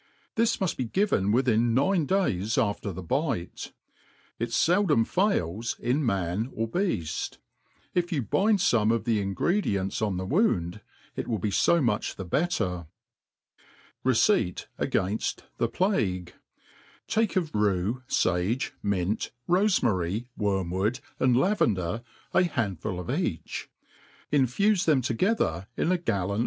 This muft be given within nine days after the bite : it feldom fails in man or beaft. If you bind fome of the ingredients on the wound, it will be A) much the better. Receipt again Jl the Plague^ TAKE of rue, fage, mint, rofemary, wormwood, and la« vender, a bandful of each ^ iofufe them together in a gallon of M.4DE PLAIN AND EASY.